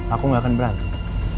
aku gak akan berantem